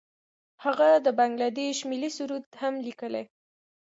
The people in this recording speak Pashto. هغه د بنګله دیش ملي سرود هم لیکلی.